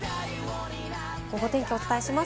ゴゴ天気をお伝えします。